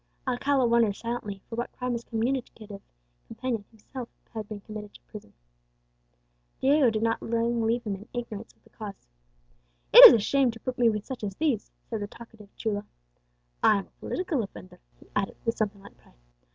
Alcala wondered silently for what crime his communicative companion had himself been committed to prison. Diego did not long leave him in ignorance of the cause. "It is a shame to put me with such as these," said the talkative chulo; "I am a political offender," he added, with something like pride.